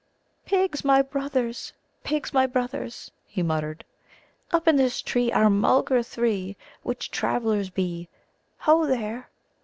"Pigs, my brothers; pigs, my brothers," he muttered. "Up in this tree are Mulgar three, which travellers be.... Ho, there!"